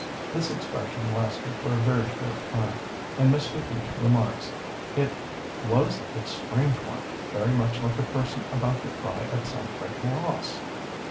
This expression lasted for a very short time; and Mr. Geach remarks it "was a strange one, very much like a person about to cry at some great loss."